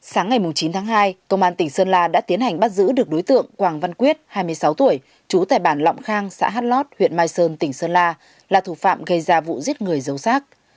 sáng ngày chín tháng hai công an tỉnh sơn la đã tiến hành bắt giữ được đối tượng quảng văn quyết hai mươi sáu tuổi trú tại bản lọng khang xã hát lót huyện mai sơn tỉnh sơn la là thủ phạm gây ra vụ giết người giấu sát